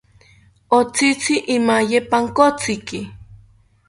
Otzitzi imaye pankotziki